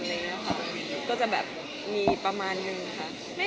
ค่ะก็จะแบบมีประมาณหนึ่งค่ะ